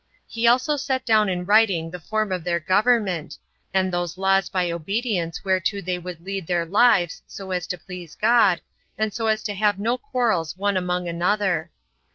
He also set down in writing the form of their government, and those laws by obedience whereto they would lead their lives so as to please God, and so as to have no quarrels one among another.